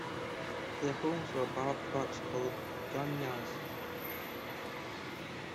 Their homes were bark huts called 'gunyahs'.